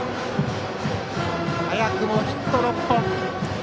早くもヒット６本。